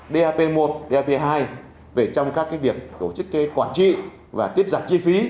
dap một dap hai về trong các việc tổ chức quản trị và tiết giảm chi phí